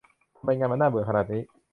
ทำไมงานมันน่าเบื่ออย่างนี้